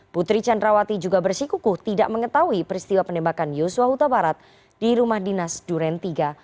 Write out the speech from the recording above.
putri candrawati juga bersikukuh tidak mengetahui peristiwa penembakan yosua huta barat di rumah dinas duren tiga